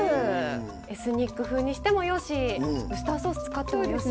エスニック風にしてもよしウスターソース使ってもよし。